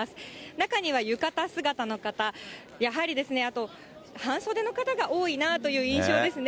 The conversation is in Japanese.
中には浴衣姿の方、やはりですね、あと半袖の方が多いなという印象ですね。